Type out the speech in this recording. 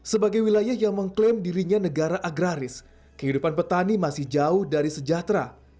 sebagai wilayah yang mengklaim dirinya negara agraris kehidupan petani masih jauh dari sejahtera